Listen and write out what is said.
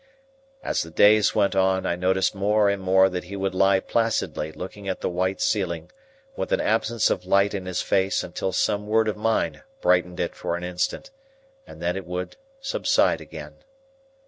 As the days went on, I noticed more and more that he would lie placidly looking at the white ceiling, with an absence of light in his face until some word of mine brightened it for an instant, and then it would subside again.